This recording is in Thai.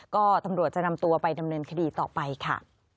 ก็ตำรวจจะนำตัวไปดำเนินคดีต่อไปค่ะ